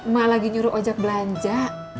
mak lagi nyuruh ojak belanja